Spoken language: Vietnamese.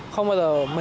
không bao giờ là